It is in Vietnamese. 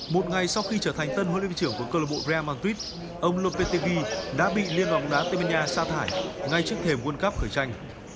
một ngày sau khi trở thành tân huấn luyện viên trưởng của club real madrid ông lopetegui đã bị liên lòng đá tây minh nha sa thải ngay trước thềm world cup khởi tranh